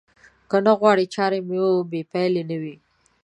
که نه غواړئ چارې مو بې پايلې نه وي.